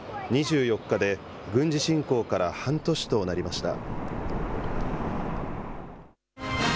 ２４日で軍事侵攻から半年となりました。